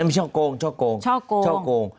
ชอบโกงชอบโกงชอบโกง